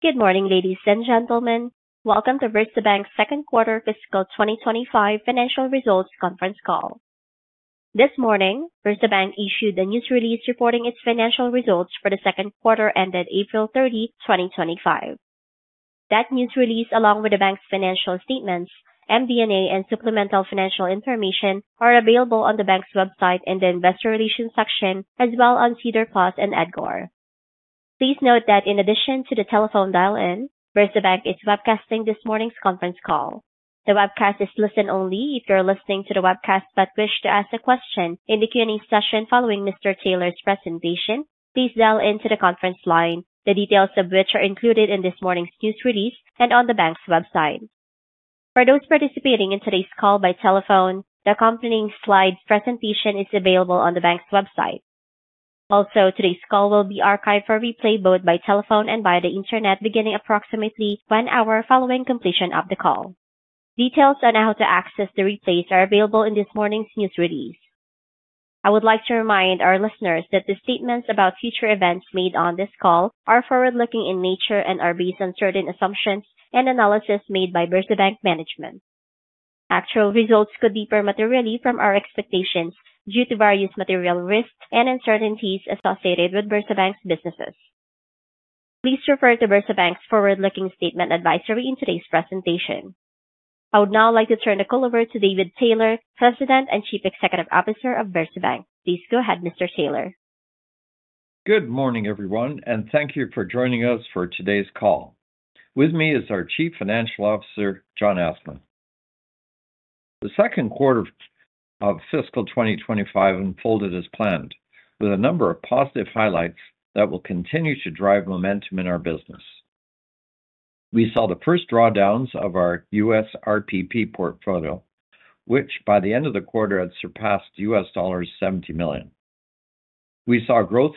Good morning, ladies and gentlemen. Welcome to VersaBank's Second-Quarter Fiscal 2025 Financial Results Conference Call. This morning, VersaBank issued a news release reporting its financial results for the second quarter ended April 30, 2025. That news release, along with the bank's financial statements, MD&A, and supplemental financial information, are available on the bank's website in the Investor Relations section, as well as on SEDAR Plus and EDGAR. Please note that, in addition to the telephone dial-in, VersaBank is webcasting this morning's conference call. The webcast is listen-only. If you're listening to the webcast but wish to ask a question in the Q&A session following Mr. Taylor's presentation, please dial into the conference line, the details of which are included in this morning's news release and on the bank's website. For those participating in today's call by telephone, the accompanying slide presentation is available on the bank's website. Also, today's call will be archived for replay both by telephone and via the internet beginning approximately one hour following completion of the call. Details on how to access the replays are available in this morning's news release. I would like to remind our listeners that the statements about future events made on this call are forward-looking in nature and are based on certain assumptions and analysis made by VersaBank management. Actual results could differ materially from our expectations due to various material risks and uncertainties associated with VersaBank's businesses. Please refer to VersaBank's forward-looking statement advisory in today's presentation. I would now like to turn the call over to David Taylor, President and Chief Executive Officer of VersaBank. Please go ahead, Mr. Taylor. Good morning, everyone, and thank you for joining us for today's call. With me is our Chief Financial Officer, John Asma. The second quarter of fiscal 2025 unfolded as planned, with a number of positive highlights that will continue to drive momentum in our business. We saw the first drawdowns of our US RPP portfolio, which by the end of the quarter had surpassed $70 million. We saw growth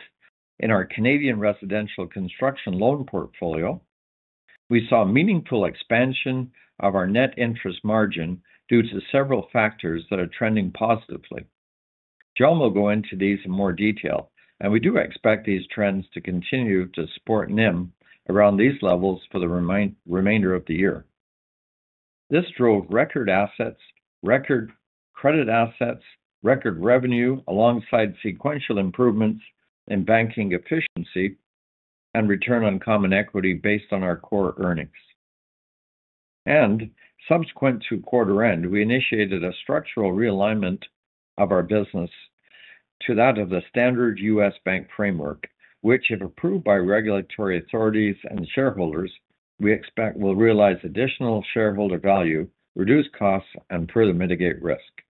in our Canadian residential construction loan portfolio. We saw meaningful expansion of our net interest margin due to several factors that are trending positively. John will go into these in more detail, and we do expect these trends to continue to support NIM around these levels for the remainder of the year. This drove record assets, record credit assets, record revenue, alongside sequential improvements in banking efficiency and return on common equity based on our core earnings. Subsequent to quarter end, we initiated a structural realignment of our business to that of the standard US bank framework, which, if approved by regulatory authorities and shareholders, we expect will realize additional shareholder value, reduce costs, and further mitigate risk.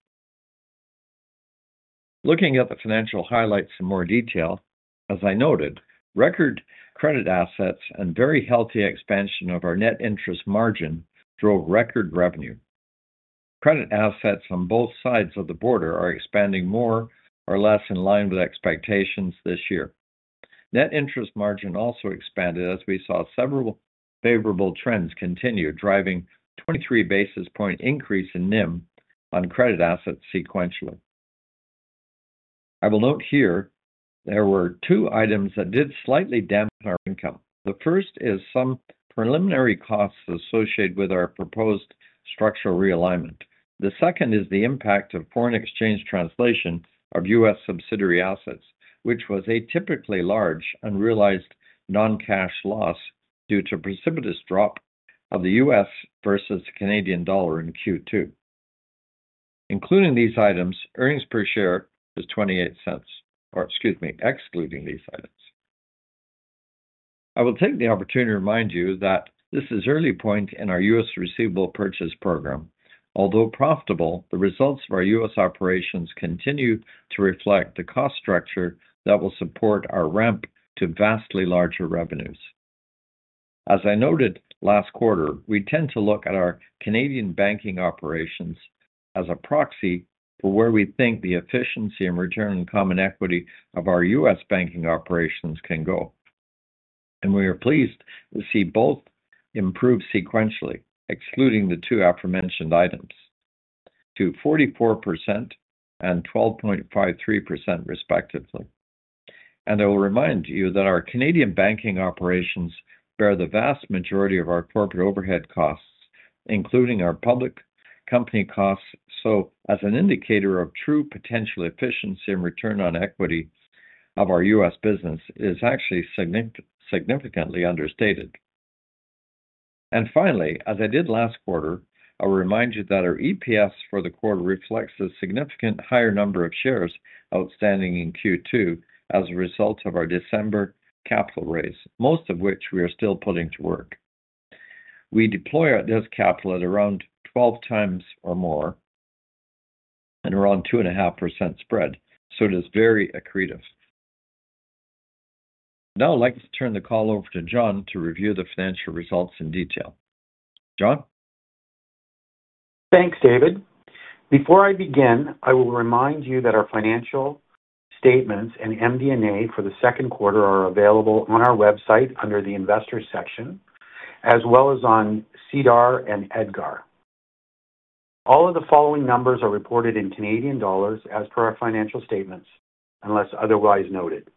Looking at the financial highlights in more detail, as I noted, record credit assets and very healthy expansion of our net interest margin drove record revenue. Credit assets on both sides of the border are expanding more or less in line with expectations this year. Net interest margin also expanded as we saw several favorable trends continue, driving a 23 basis point increase in NIM on credit assets sequentially. I will note here there were two items that did slightly dampen our income. The first is some preliminary costs associated with our proposed structural realignment. The second is the impact of foreign exchange translation of U.S. subsidiary assets, which was a typically large unrealized non-cash loss due to a precipitous drop of the U.S. versus Canadian dollar in Q2. Including these items, earnings per share was $0.28, or excuse me, excluding these items. I will take the opportunity to remind you that this is early point in our U.S. receivable purchase program. Although profitable, the results of our U.S. operations continue to reflect the cost structure that will support our ramp to vastly larger revenues. As I noted last quarter, we tend to look at our Canadian banking operations as a proxy for where we think the efficiency and return on common equity of our U.S. banking operations can go. We are pleased to see both improve sequentially, excluding the two aforementioned items, to 44% and 12.53%, respectively. I will remind you that our Canadian banking operations bear the vast majority of our corporate overhead costs, including our public company costs. As an indicator of true potential efficiency and return on equity of our U.S. business, it is actually significantly understated. Finally, as I did last quarter, I will remind you that our EPS for the quarter reflects a significant higher number of shares outstanding in Q2 as a result of our December capital raise, most of which we are still putting to work. We deploy this capital at around 12 times or more and around 2.5% spread. It is very accretive. Now I'd like to turn the call over to John to review the financial results in detail. John? Thanks, David. Before I begin, I will remind you that our financial statements and MD&A for the second quarter are available on our website under the Investor section, as well as on SEDAR and EDGAR. All of the following numbers are reported in CAD as per our financial statements, unless otherwise noted.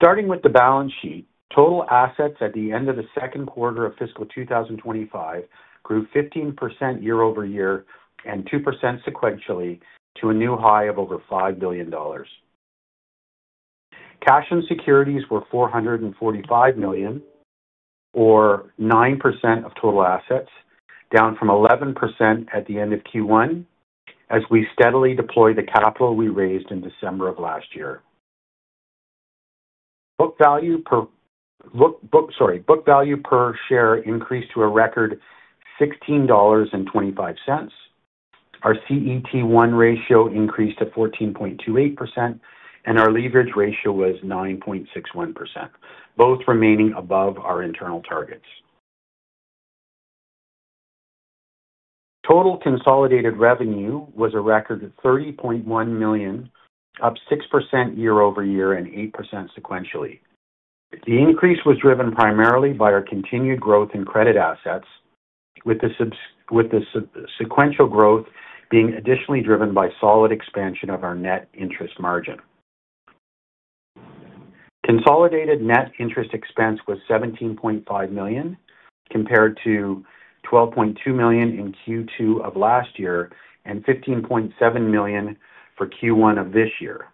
Starting with the balance sheet, total assets at the end of the second quarter of fiscal 2025 grew 15% year-over-year and 2% sequentially to a new high of over 5 billion dollars. Cash and securities were 445 million, or 9% of total assets, down from 11% at the end of Q1 as we steadily deploy the capital we raised in December of last year. Book value per share increased to a record 16.25 dollars, our CET1 ratio increased to 14.28%, and our leverage ratio was 9.61%, both remaining above our internal targets. Total consolidated revenue was a record of $30.1 million, up 6% year over year and 8% sequentially. The increase was driven primarily by our continued growth in credit assets, with the sequential growth being additionally driven by solid expansion of our net interest margin. Consolidated net interest expense was $17.5 million compared to $12.2 million in Q2 of last year and $15.7 million for Q1 of this year.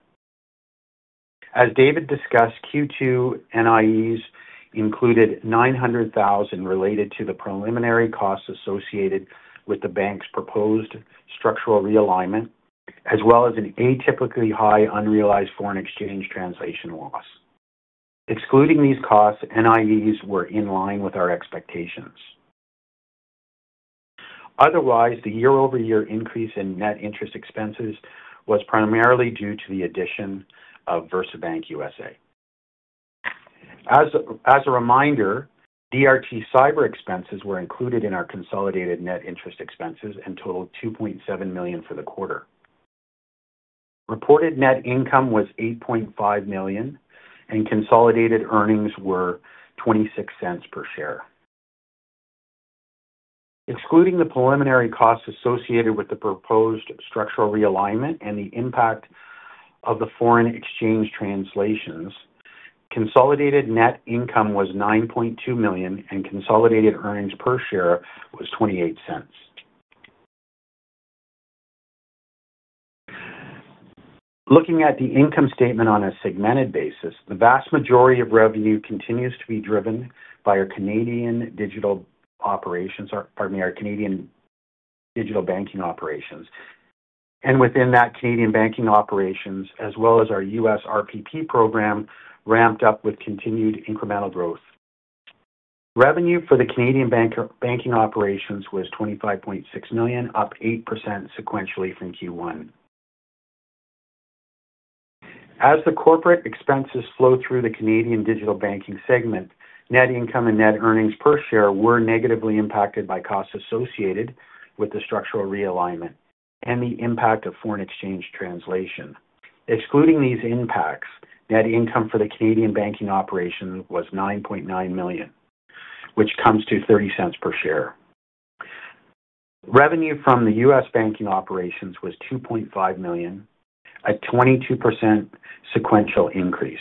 As David discussed, Q2 NIEs included $900,000 related to the preliminary costs associated with the bank's proposed structural realignment, as well as an atypically high unrealized foreign exchange translation loss. Excluding these costs, NIEs were in line with our expectations. Otherwise, the year-over-year increase in net interest expenses was primarily due to the addition of VersaBank U.S.A. As a reminder, DRT Cyber expenses were included in our consolidated net interest expenses and totaled $2.7 million for the quarter. Reported net income was $8.5 million, and consolidated earnings were $0.26 per share. Excluding the preliminary costs associated with the proposed structural realignment and the impact of the foreign exchange translations, consolidated net income was $9.2 million, and consolidated earnings per share was $0.28. Looking at the income statement on a segmented basis, the vast majority of revenue continues to be driven by our Canadian digital operations, pardon me, our Canadian digital banking operations. Within that, Canadian banking operations, as well as our US RPP program, ramped up with continued incremental growth. Revenue for the Canadian banking operations was $25.6 million, up 8% sequentially from Q1. As the corporate expenses flow through the Canadian digital banking segment, net income and net earnings per share were negatively impacted by costs associated with the structural realignment and the impact of foreign exchange translation. Excluding these impacts, net income for the Canadian banking operations was 9.9 million, which comes to 0.30 per share. Revenue from the US banking operations was $2.5 million, a 22% sequential increase.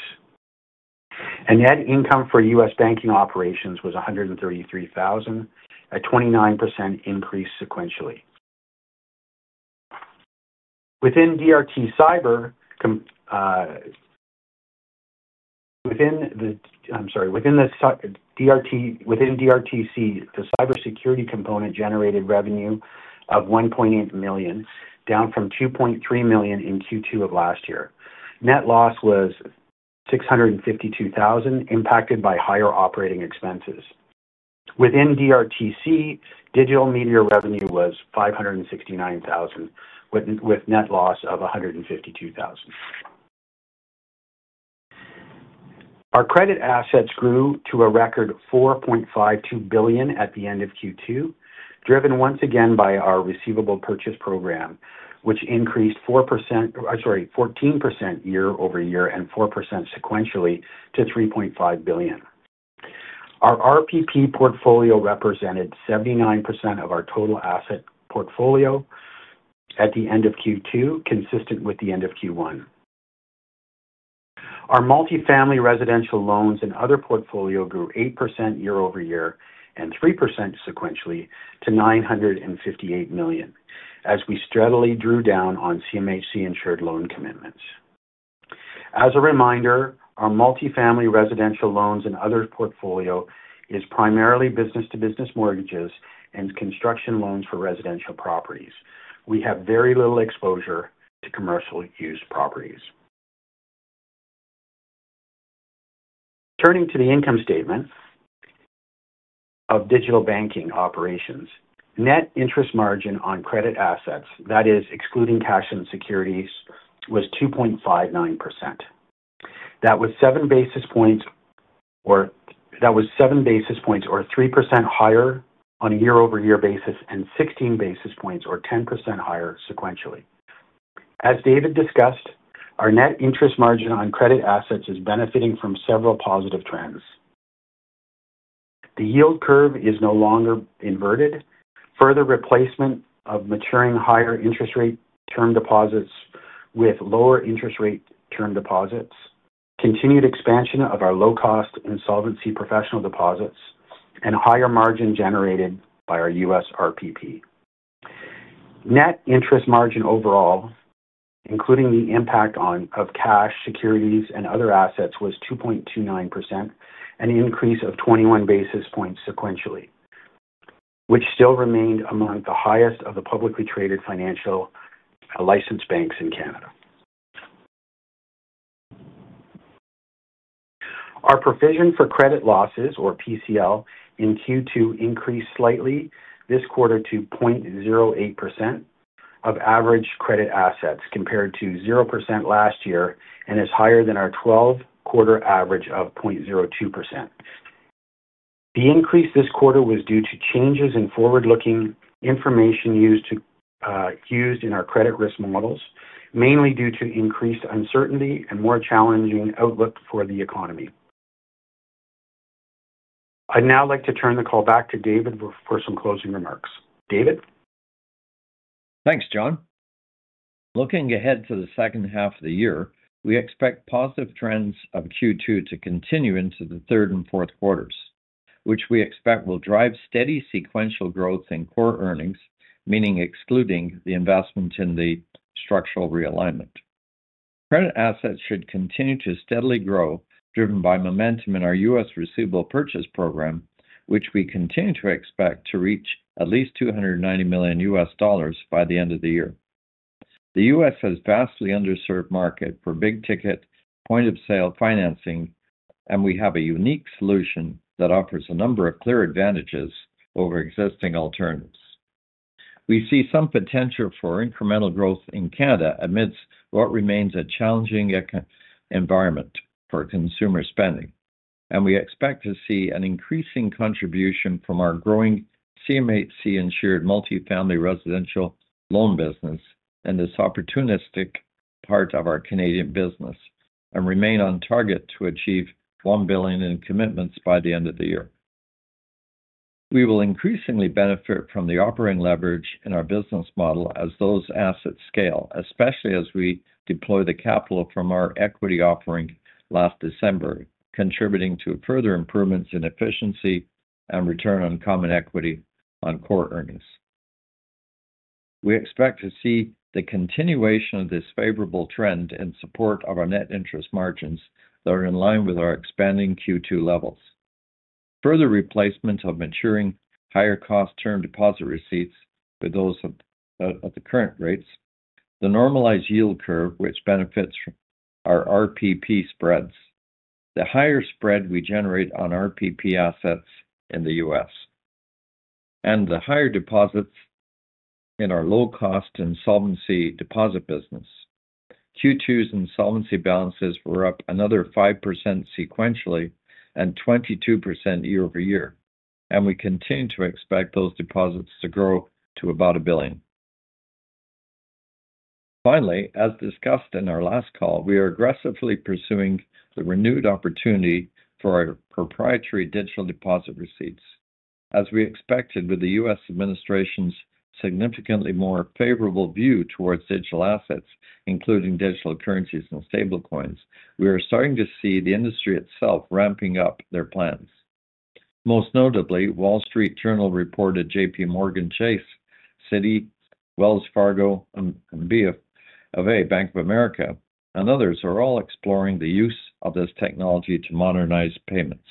Net income for US banking operations was $133,000, a 29% increase sequentially. Within DRT Cyber, the cybersecurity component generated revenue of 1.8 million, down from 2.3 million in Q2 of last year. Net loss was 652,000, impacted by higher operating expenses. Within DRT Cyber, digital media revenue was 569,000, with net loss of 152,000. Our credit assets grew to a record 4.52 billion at the end of Q2, driven once again by our receivable purchase program, which increased 14% year over year and 4% sequentially to 3.5 billion. Our RPP portfolio represented 79% of our total asset portfolio at the end of Q2, consistent with the end of Q1. Our multifamily residential loans and other portfolio grew 8% year-over-year and 3% sequentially to 958 million, as we steadily drew down on CMHC-insured loan commitments. As a reminder, our multifamily residential loans and other portfolio is primarily business-to-business mortgages and construction loans for residential properties. We have very little exposure to commercial-use properties. Turning to the income statement of digital banking operations, net interest margin on credit assets, that is, excluding cash and securities, was 2.59%. That was seven basis points or 3% higher on a year-over-year basis and 16 basis points or 10% higher sequentially. As David discussed, our net interest margin on credit assets is benefiting from several positive trends. The yield curve is no longer inverted. Further replacement of maturing higher interest rate term deposits with lower interest rate term deposits, continued expansion of our low-cost insolvency professional deposits, and higher margin generated by our US RPP. Net interest margin overall, including the impact on cash, securities, and other assets, was 2.29%, an increase of 21 basis points sequentially, which still remained among the highest of the publicly traded financial licensed banks in Canada. Our provision for credit losses, or PCL, in Q2 increased slightly this quarter to 0.08% of average credit assets compared to 0% last year and is higher than our 12-quarter average of 0.02%. The increase this quarter was due to changes in forward-looking information used in our credit risk models, mainly due to increased uncertainty and more challenging outlook for the economy. I'd now like to turn the call back to David for some closing remarks. David? Thanks, John. Looking ahead to the second half of the year, we expect positive trends of Q2 to continue into the third and fourth quarters, which we expect will drive steady sequential growth in core earnings, meaning excluding the investment in the structural realignment. Credit assets should continue to steadily grow, driven by momentum in our US receivable purchase program, which we continue to expect to reach at least $290 million by the end of the year. The US has a vastly underserved market for big-ticket point-of-sale financing, and we have a unique solution that offers a number of clear advantages over existing alternatives. We see some potential for incremental growth in Canada amidst what remains a challenging environment for consumer spending, and we expect to see an increasing contribution from our growing CMHC-insured multifamily residential loan business and this opportunistic part of our Canadian business, and remain on target to achieve 1 billion in commitments by the end of the year. We will increasingly benefit from the operating leverage in our business model as those assets scale, especially as we deploy the capital from our equity offering last December, contributing to further improvements in efficiency and return on common equity on core earnings. We expect to see the continuation of this favorable trend in support of our net interest margins, that are in line with our expanding Q2 levels. Further replacement of maturing higher-cost term deposit receipts with those at the current rates, the normalized yield curve, which benefits from our RPP spreads, the higher spread we generate on RPP assets in the US, and the higher deposits in our low-cost insolvency deposit business. Q2's insolvency balances were up another 5% sequentially and 22% year over year, and we continue to expect those deposits to grow to about $1 billion. Finally, as discussed in our last call, we are aggressively pursuing the renewed opportunity for our proprietary digital deposit receipts. As we expected with the U.S. administration's significantly more favorable view towards digital assets, including digital currencies and stablecoins, we are starting to see the industry itself ramping up their plans. Most notably, Wall Street Journal-reported J.P. Morgan Chase, Citi, Wells Fargo, and Bank of America, and others are all exploring the use of this technology to modernize payments.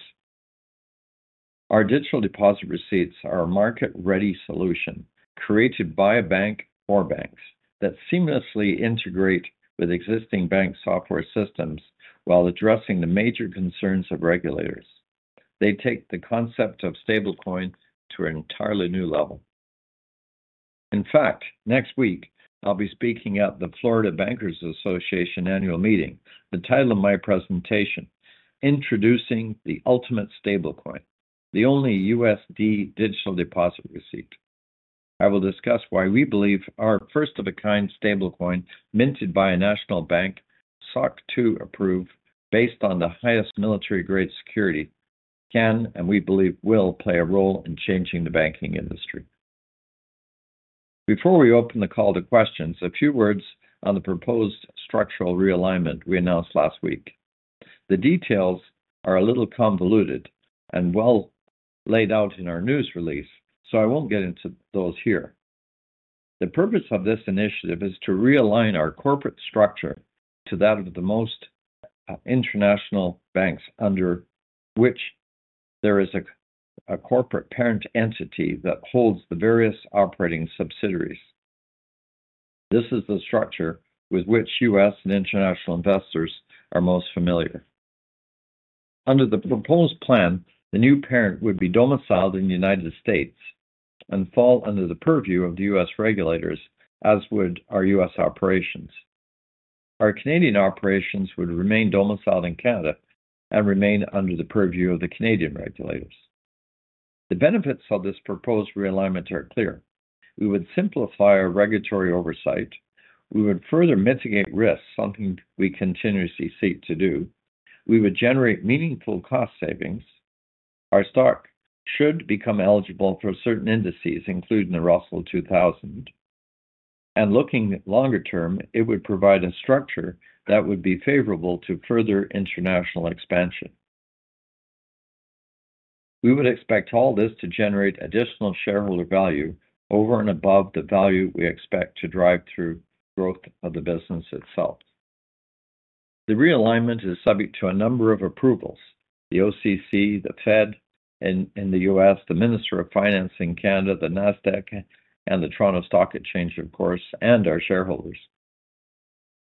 Our digital deposit receipts are a market-ready solution created by a bank or banks that seamlessly integrate with existing bank software systems while addressing the major concerns of regulators. They take the concept of stablecoin to an entirely new level. In fact, next week, I'll be speaking at the Florida Bankers Association annual meeting. The title of my presentation is "Introducing the Ultimate Stablecoin," the only USD digital deposit receipt. I will discuss why we believe our first-of-a-kind stablecoin, minted by a national bank, SOC 2 approved, based on the highest military-grade security, can, and we believe will, play a role in changing the banking industry. Before we open the call to questions, a few words on the proposed structural realignment we announced last week. The details are a little convoluted and well laid out in our news release, so I won't get into those here. The purpose of this initiative is to realign our corporate structure to that of the most international banks, under which there is a corporate parent entity that holds the various operating subsidiaries. This is the structure with which US and international investors are most familiar. Under the proposed plan, the new parent would be domiciled in the United States and fall under the purview of the US regulators, as would our US operations. Our Canadian operations would remain domiciled in Canada and remain under the purview of the Canadian regulators. The benefits of this proposed realignment are clear. We would simplify our regulatory oversight. We would further mitigate risks, something we continuously seek to do. We would generate meaningful cost savings. Our stock should become eligible for certain indices, including the Russell 2000. Looking longer term, it would provide a structure that would be favorable to further international expansion. We would expect all this to generate additional shareholder value over and above the value we expect to drive through growth of the business itself. The realignment is subject to a number of approvals: the OCC, the Fed in the U.S., the Minister of Finance in Canada, the Nasdaq, the Toronto Stock Exchange, of course, and our shareholders.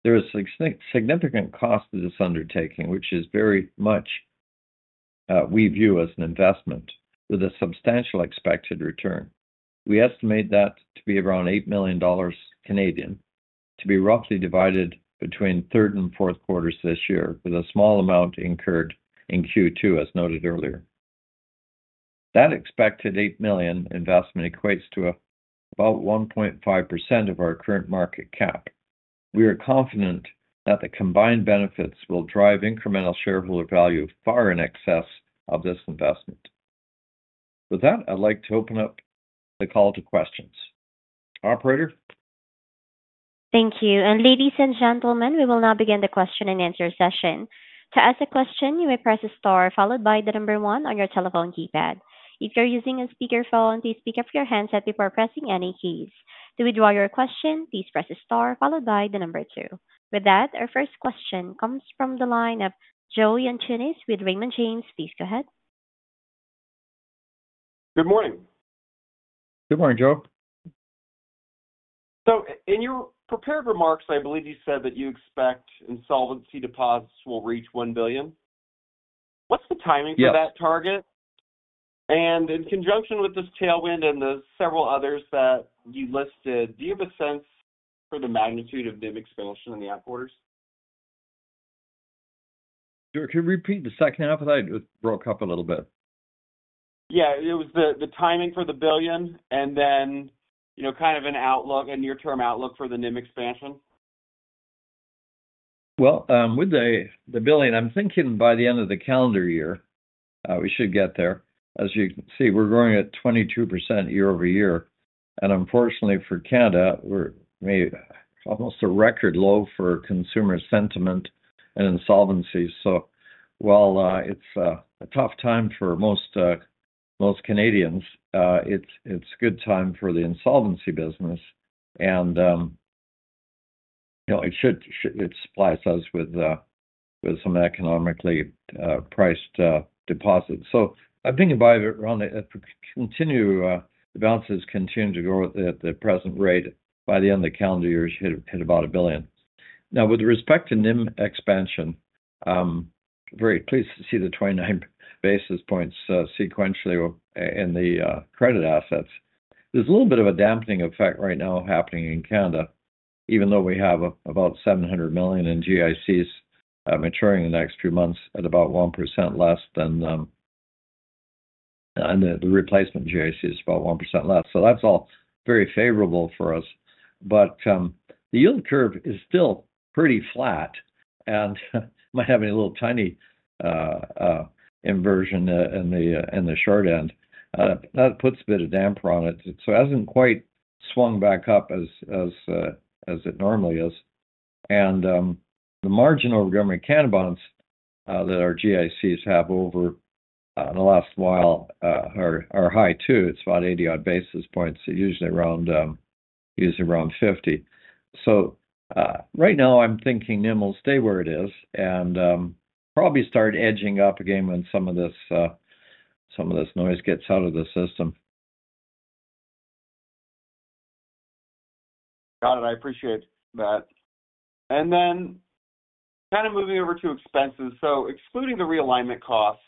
There is a significant cost to this undertaking, which we very much view as an investment with a substantial expected return. We estimate that to be around 8 million Canadian dollars, to be roughly divided between third and fourth quarters this year, with a small amount incurred in Q2, as noted earlier. That expected 8 million investment equates to about 1.5% of our current market cap. We are confident that the combined benefits will drive incremental shareholder value far in excess of this investment. With that, I'd like to open up the call to questions. Operator? Thank you. Ladies and gentlemen, we will now begin the question and answer session. To ask a question, you may press star followed by the number one on your telephone keypad. If you are using a speakerphone, please pick up your handset before pressing any keys. To withdraw your question, please press star followed by the number two. With that, our first question comes from the line of Joe Yanchunis with Raymond James. Please go ahead. Good morning. Good morning, Joe. In your prepared remarks, I believe you said that you expect insolvency deposits will reach $1 billion. What is the timing for that target? In conjunction with this tailwind and the several others that you listed, do you have a sense for the magnitude of NIM expansion in the out quarters? Joe, can you repeat the second half? I broke up a little bit. Yeah. It was the timing for the billion and then kind of an outlook, a near-term outlook for the NIM expansion? With the billion, I'm thinking by the end of the calendar year, we should get there. As you can see, we're growing at 22% year over year. Unfortunately for Canada, we're almost at a record low for consumer sentiment and insolvency. While it's a tough time for most Canadians, it's a good time for the insolvency business. It supplies us with some economically priced deposits. I'm thinking about it around if the balances continue to grow at the present rate, by the end of the calendar year, we should hit about a billion. With respect to NIM expansion, very pleased to see the 29 basis points sequentially in the credit assets. There's a little bit of a dampening effect right now happening in Canada, even though we have about 700 million in GICs maturing in the next few months at about 1% less than the replacement GICs, about 1% less. That's all very favorable for us. The yield curve is still pretty flat and might have a little tiny inversion in the short end. That puts a bit of a damper on it. It hasn't quite swung back up as it normally is. The margin over Government of Canada bonds that our GICs have over in the last while are high too. It's about 80-odd basis points, usually around 50. Right now, I'm thinking NIM will stay where it is and probably start edging up again when some of this noise gets out of the system. Got it. I appreciate that. Kind of moving over to expenses, excluding the realignment costs,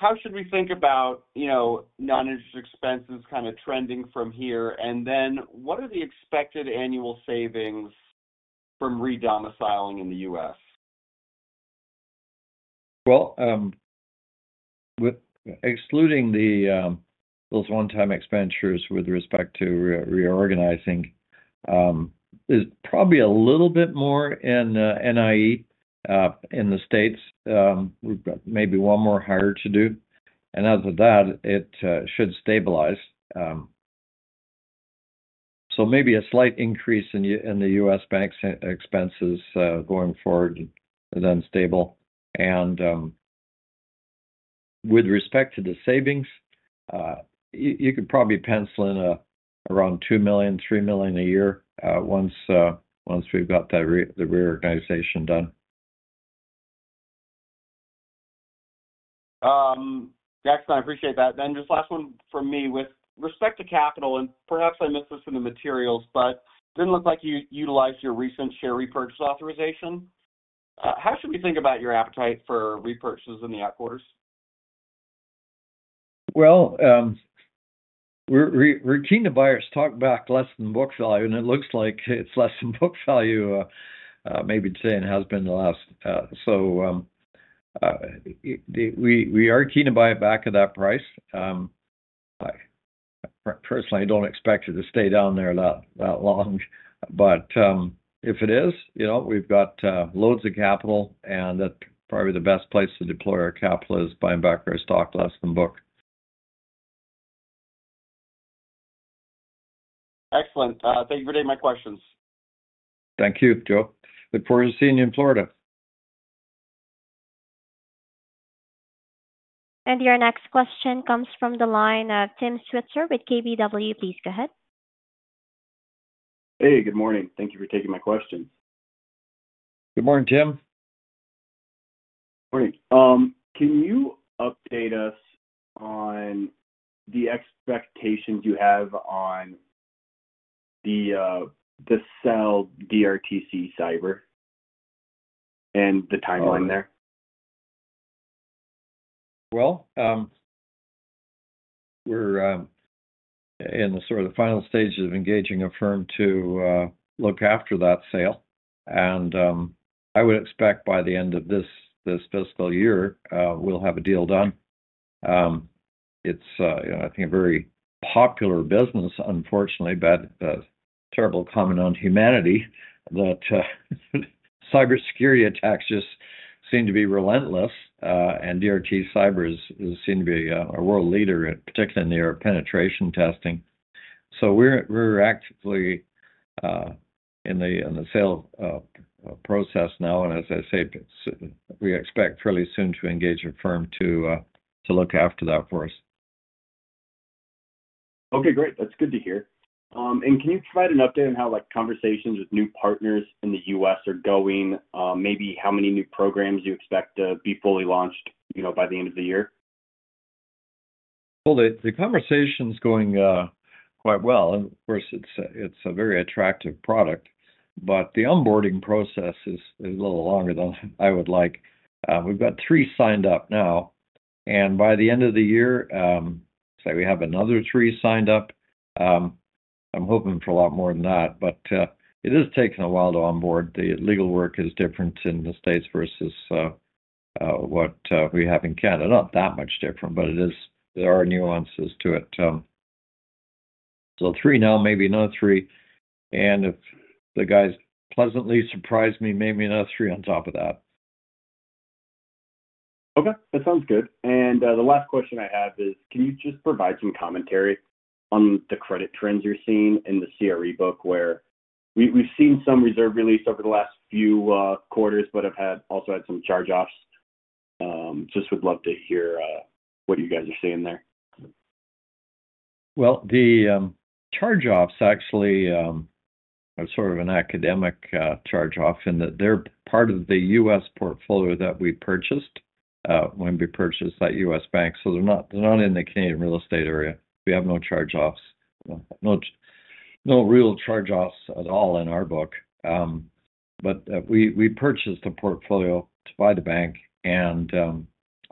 how should we think about non-interest expenses kind of trending from here? What are the expected annual savings from re-domiciling in the US? Excluding those one-time expenditures with respect to reorganizing, there's probably a little bit more in NIE in the U.S. We have maybe one more hire to do. As of that, it should stabilize. Maybe a slight increase in the U.S. banks' expenses going forward and then stable. With respect to the savings, you could probably pencil in around $2 million to $3 million a year once we have the reorganization done. Excellent. I appreciate that. Just last one from me with respect to capital, and perhaps I missed this in the materials, but it did not look like you utilized your recent share repurchase authorization. How should we think about your appetite for repurchases in the out quarters? We're keen to buy our stock back at less than book value, and it looks like it's less than book value, maybe $10, has been the last. We are keen to buy it back at that price. Personally, I don't expect it to stay down there that long. If it is, we've got loads of capital, and probably the best place to deploy our capital is buying back our stock at less than book. Excellent. Thank you for taking my questions. Thank you, Joe. Look forward to seeing you in Florida. Your next question comes from the line of Tim Switzer with KBW. Please go ahead. Hey, good morning. Thank you for taking my questions. Good morning, Tim. Morning. Can you update us on the expectations you have on the sale of DRT Cyber and the timeline there? We're in the sort of the final stages of engaging a firm to look after that sale. I would expect by the end of this fiscal year, we'll have a deal done. It's, I think, a very popular business, unfortunately, but a terrible comment on humanity that cybersecurity attacks just seem to be relentless. DRT Cyber seems to be a world leader, particularly in their penetration testing. We're actively in the sale process now. As I say, we expect fairly soon to engage a firm to look after that for us. Okay, great. That is good to hear. Can you provide an update on how conversations with new partners in the US are going? Maybe how many new programs you expect to be fully launched by the end of the year? The conversation's going quite well. Of course, it's a very attractive product. The onboarding process is a little longer than I would like. We've got three signed up now. By the end of the year, say we have another three signed up. I'm hoping for a lot more than that. It is taking a while to onboard. The legal work is different in the States versus what we have in Canada. Not that much different, but there are nuances to it. Three now, maybe another three. If the guys pleasantly surprise me, maybe another three on top of that. Okay. That sounds good. The last question I have is, can you just provide some commentary on the credit trends you are seeing in the CRE book, where we have seen some reserve release over the last few quarters, but have also had some charge-offs? Just would love to hear what you guys are seeing there. The charge-offs actually are sort of an academic charge-off in that they're part of the U.S. portfolio that we purchased when we purchased that U.S. bank. They are not in the Canadian real estate area. We have no charge-offs, no real charge-offs at all in our book. We purchased a portfolio to buy the bank, and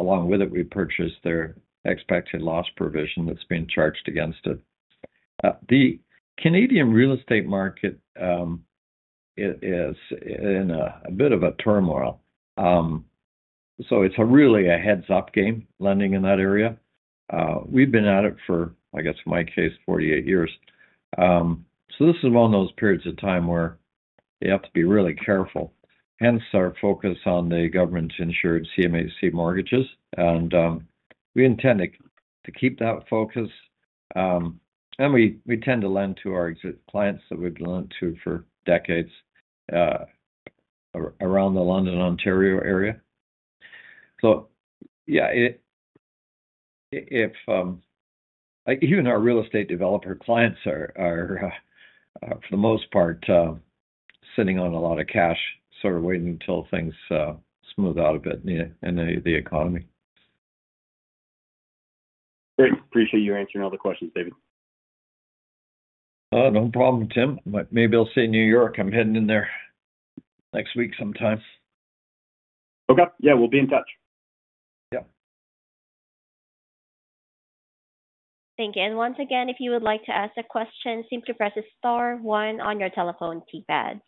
along with it, we purchased their expected loss provision that's being charged against it. The Canadian real estate market is in a bit of a turmoil. It is really a heads-up game, lending in that area. We've been at it for, I guess, in my case, 48 years. This is one of those periods of time where you have to be really careful. Hence our focus on the government-insured CMHC mortgages, and we intend to keep that focus. We tend to lend to our clients that we've lent to for decades around the London, Ontario area. Yeah, even our real estate developer clients are, for the most part, sitting on a lot of cash, sort of waiting until things smooth out a bit in the economy. Great. Appreciate you answering all the questions, David. No problem, Tim. Maybe I'll see you in New York. I'm heading in there next week sometime. Okay. Yeah. We'll be in touch. Yeah. Thank you. If you would like to ask a question, simply press star one on your telephone keypad.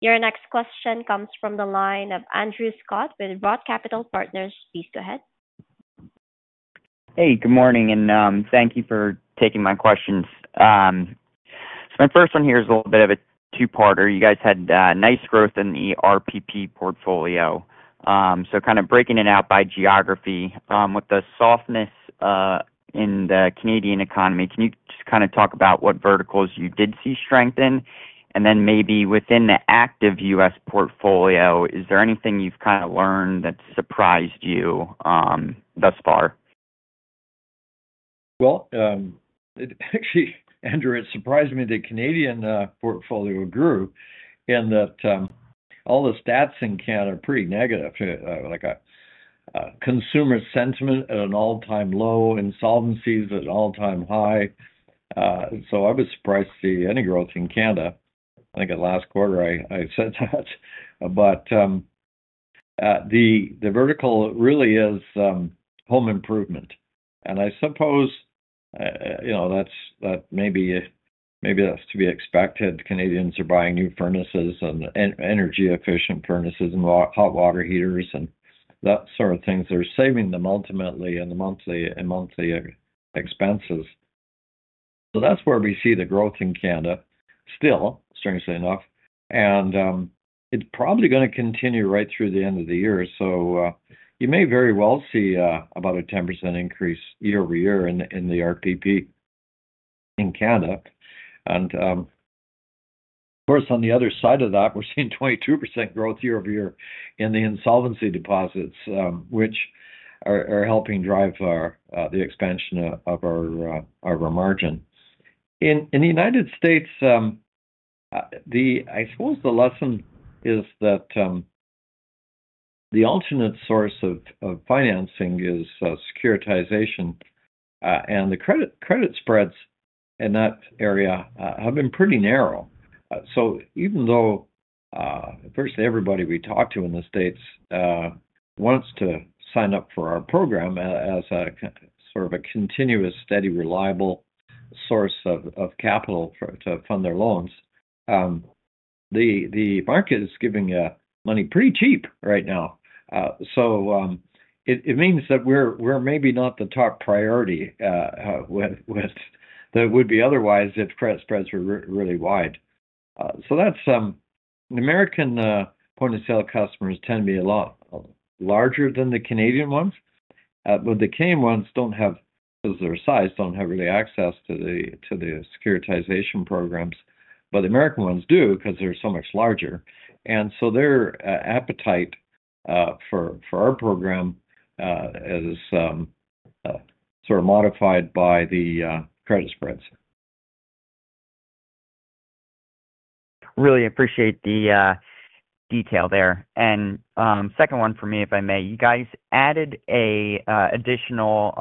Your next question comes from the line of Andrew Scott with Bernhard Capital Partners. Please go ahead. Hey, good morning. Thank you for taking my questions. My first one here is a little bit of a two-parter. You guys had nice growth in the RPP portfolio. Kind of breaking it out by geography, with the softness in the Canadian economy, can you just talk about what verticals you did see strengthen? Maybe within the active U.S. portfolio, is there anything you've learned that surprised you thus far? Actually, Andrew, it surprised me that the Canadian portfolio grew in that all the stats in Canada are pretty negative. Consumer sentiment at an all-time low, insolvencies at an all-time high. I was surprised to see any growth in Canada. I think in the last quarter, I said that. The vertical really is home improvement. I suppose that maybe that is to be expected. Canadians are buying new furnaces and energy-efficient furnaces and hot water heaters and that sort of thing. They are saving them ultimately in the monthly expenses. That is where we see the growth in Canada, still, strangely enough. It is probably going to continue right through the end of the year. You may very well see about a 10% increase year-over-year in the RPP in Canada. Of course, on the other side of that, we're seeing 22% growth year over year in the insolvency deposits, which are helping drive the expansion of our margin. In the U.S., I suppose the lesson is that the alternate source of financing is securitization. The credit spreads in that area have been pretty narrow. Even though virtually everybody we talk to in the States wants to sign up for our program as sort of a continuous, steady, reliable source of capital to fund their loans, the market is giving money pretty cheap right now. It means that we're maybe not the top priority that it would be otherwise if credit spreads were really wide. The American point-of-sale customers tend to be a lot larger than the Canadian ones. The Canadian ones do not have, because of their size, do not really have access to the securitization programs. The American ones do because they are so much larger. Their appetite for our program is sort of modified by the credit spreads. Really appreciate the detail there. Second one for me, if I may, you guys added an additional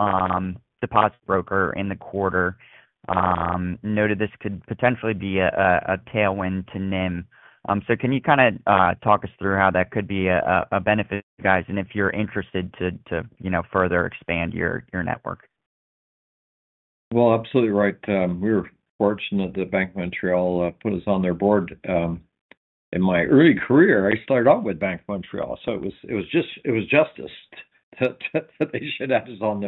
deposit broker in the quarter. Noted this could potentially be a tailwind to NIM. Can you kind of talk us through how that could be a benefit to you guys and if you're interested to further expand your network? Absolutely right. We were fortunate that Bank of Montreal put us on their board. In my early career, I started off with Bank of Montreal. It was justice that they should add us on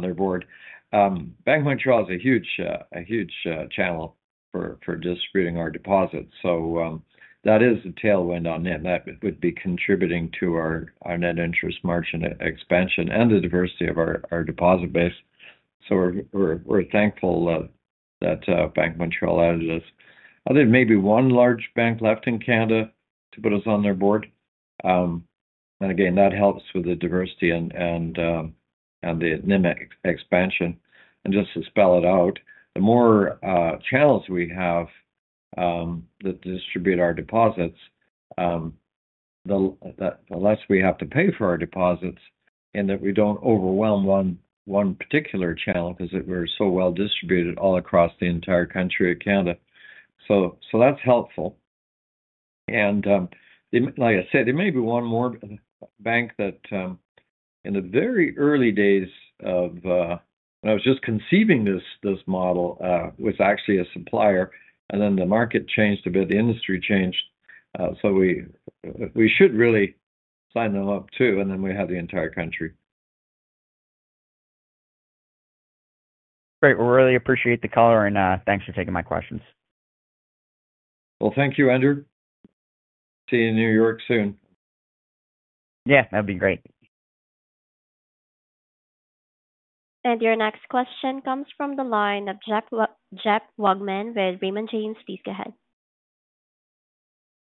their board. Bank of Montreal is a huge channel for distributing our deposits. That is a tailwind on NIM. That would be contributing to our net interest margin expansion and the diversity of our deposit base. We are thankful that Bank of Montreal added us. I think maybe one large bank left in Canada to put us on their board. Again, that helps with the diversity and the NIM expansion. Just to spell it out, the more channels we have that distribute our deposits, the less we have to pay for our deposits in that we do not overwhelm one particular channel because we are so well distributed all across the entire country of Canada. That is helpful. Like I said, there may be one more bank that in the very early days of when I was just conceiving this model was actually a supplier. The market changed a bit. The industry changed. We should really sign them up too. Then we have the entire country. Great. I really appreciate the color. Thanks for taking my questions. Thank you, Andrew. See you in New York soon. Yeah, that'd be great. Your next question comes from the line of Jeff Wagman with Raymond James. Please go ahead.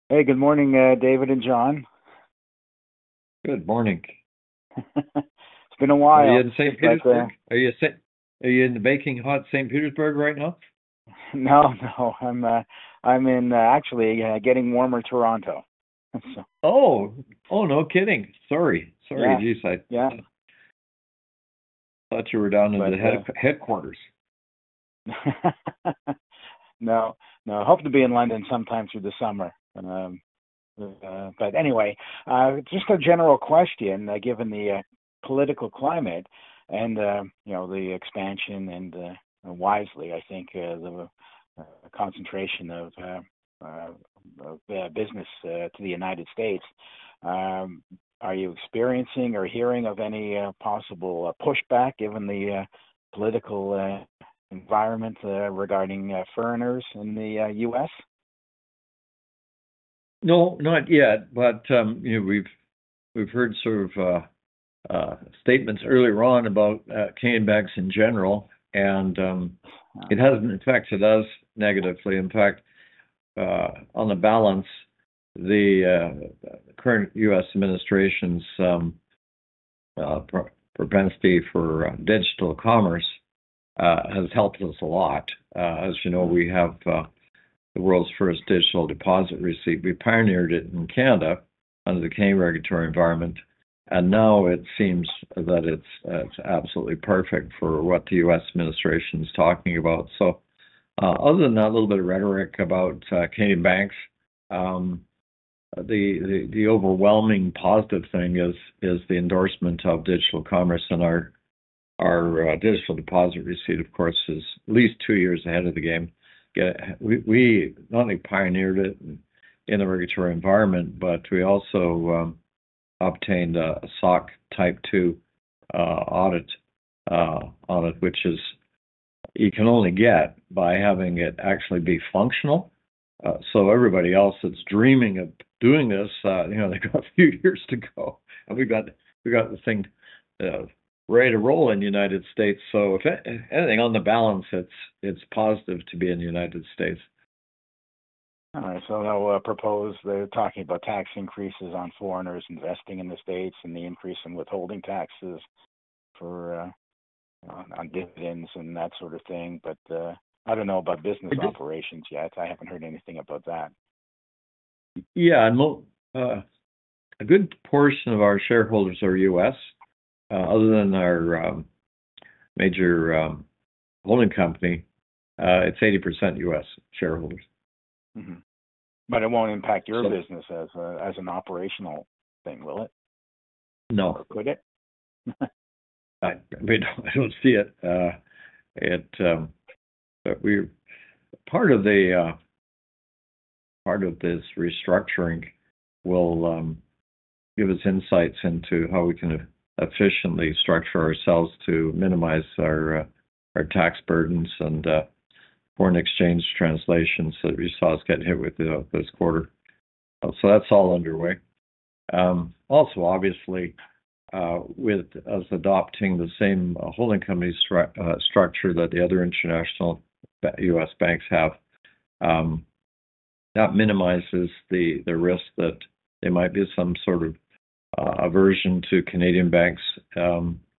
Hey, good morning, David and John. Good morning. It's been a while. Are you in St. Petersburg? Are you in the baking hot St. Petersburg right now? No, no. I'm in, actually, getting warmer Toronto. Oh, oh, no kidding. Sorry. Sorry, Jesus. Yeah. I thought you were down in the headquarters. No, no. Hope to be in London sometime through the summer. Anyway, just a general question. Given the political climate and the expansion and, wisely, I think, the concentration of business to the United States, are you experiencing or hearing of any possible pushback, given the political environment regarding foreigners in the U.S.? No, not yet. We have heard sort of statements earlier on about Canadian banks in general. It has not affected us negatively. In fact, on the balance, the current U.S. administration's propensity for digital commerce has helped us a lot. As you know, we have the world's first digital deposit receipt. We pioneered it in Canada under the Canadian regulatory environment. Now it seems that it is absolutely perfect for what the U.S. administration is talking about. Other than a little bit of rhetoric about Canadian banks, the overwhelming positive thing is the endorsement of digital commerce. Our digital deposit receipt, of course, is at least two years ahead of the game. We not only pioneered it in the regulatory environment, but we also obtained a SOC 2 audit, which you can only get by having it actually be functional. Everybody else that's dreaming of doing this, they've got a few years to go. We've got the thing ready to roll in the United States. Anything on the balance, it's positive to be in the United States. All right. I'll propose they're talking about tax increases on foreigners investing in the States and the increase in withholding taxes on dividends and that sort of thing. I don't know about business operations yet. I haven't heard anything about that. Yeah. A good portion of our shareholders are U.S. Other than our major holding company, it's 80% U.S. shareholders. It will not impact your business as an operational thing, will it? No. Or could it? I don't see it. Part of this restructuring will give us insights into how we can efficiently structure ourselves to minimize our tax burdens and foreign exchange translations that we saw us get hit with this quarter. That's all underway. Also, obviously, with us adopting the same holding company structure that the other international U.S. banks have, that minimizes the risk that there might be some sort of aversion to Canadian banks in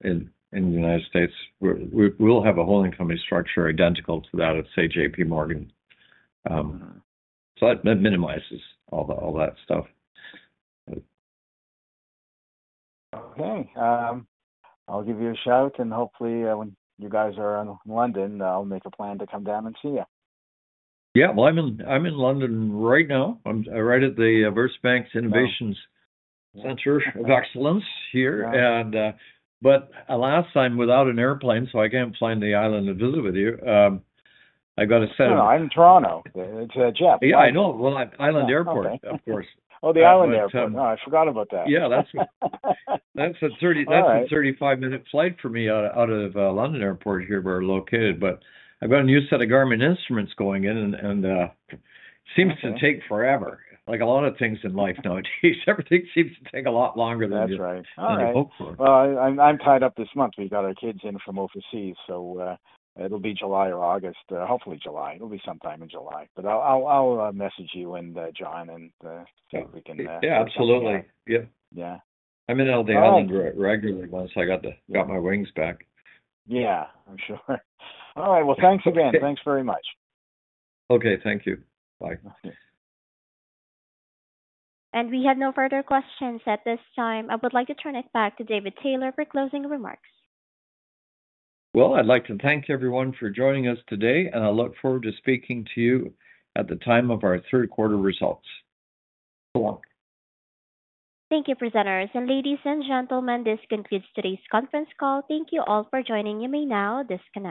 the United States. We'll have a holding company structure identical to that of, say, J.P. Morgan. That minimizes all that stuff. Okay. I'll give you a shout. Hopefully, when you guys are in London, I'll make a plan to come down and see you. Yeah. I'm in London right now. I'm right at VersaBank's Innovations Center of Excellence here. Last time, without an airplane, I can't fly in the island and visit with you. I got a set of. No, I'm in Toronto. It's Jeff. Yeah, I know. Island Airport, of course. Oh, the Island Airport. I forgot about that. Yeah. That's a 35-minute flight for me out of London Airport here where we're located. I have a new set of Garmin instruments going in. It seems to take forever. Like a lot of things in life nowadays, everything seems to take a lot longer than you hoped for. I'm tied up this month. We've got our kids in from overseas. So it'll be July or August. Hopefully, July. It'll be sometime in July. I'll message you and John and see if we can get that. Yeah, absolutely. Yeah. Yeah. I'm in LA regularly once I got my wings back. Yeah, I'm sure. All right. Thanks again. Thanks very much. Okay. Thank you. Bye. Bye. We have no further questions at this time. I would like to turn it back to David Taylor for closing remarks. I would like to thank everyone for joining us today. I look forward to speaking to you at the time of our third-quarter results. Thanks a lot. Thank you, presenters. Ladies and gentlemen, this concludes today's conference call. Thank you all for joining me now. This conference.